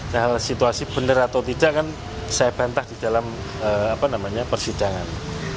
nah situasi benar atau tidak kan saya bantah di dalam persidangan